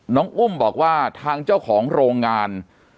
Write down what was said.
อุ้มบอกว่าทางเจ้าของโรงงาน